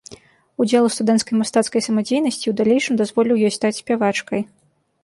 Удзел у студэнцкай мастацкай самадзейнасці ў далейшым дазволіў ёй стаць спявачкай.